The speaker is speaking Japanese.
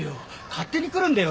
勝手に来るんだよ